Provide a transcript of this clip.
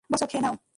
বসো খেয়ে নাও।